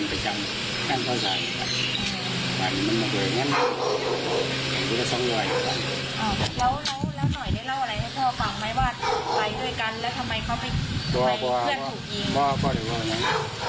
แล้วหน่อยได้เล่าอะไรให้พ่อฟังไหมว่าไปด้วยกันแล้วทำไมเขาไปโดนเพื่อนถูกยิง